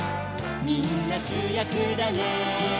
「みんなしゅやくだね」